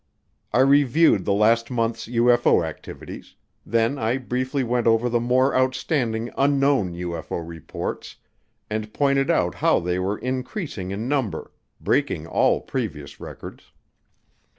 I reviewed the last month's UFO activities; then I briefly went over the more outstanding "Unknown" UFO reports and pointed out how they were increasing in number breaking all previous records.